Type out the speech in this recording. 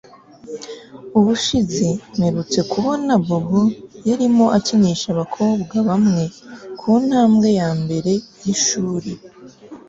Ubushize mperutse kubona Bobo yarimo akinisha abakobwa bamwe kuntambwe yambere yishuri